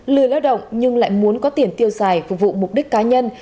lười lao động nhưng lại muốn có tiền tiêu xài phục vụ mục đích cá nhân